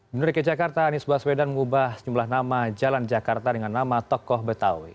bumdur dg jakarta anies baswedan mengubah jumlah nama jalan jakarta dengan nama tokoh betawi